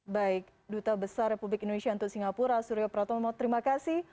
baik duta besar republik indonesia untuk singapura suryo pratomo terima kasih